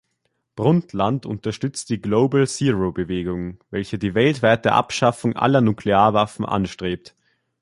Brundtland unterstützt die Global-Zero-Bewegung, welche die weltweite Abschaffung aller Nuklearwaffen anstrebt.